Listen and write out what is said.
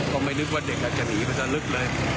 ก็ไม่นึกว่าเด็กอาจจะหนีมันจะลึกเลย